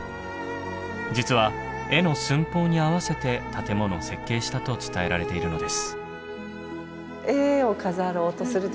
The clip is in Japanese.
実は絵の寸法に合わせて建物を設計したと伝えられているのです。